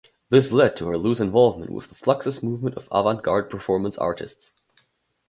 This led to her loose involvement with the Fluxus movement of avant-garde performance artists.